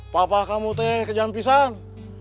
papa kamu kejam pisang